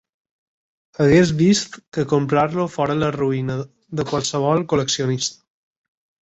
Hagués vist que comprar-lo fora la ruïna de qualsevol col·leccionista.